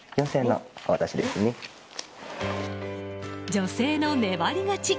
女性の粘り勝ち。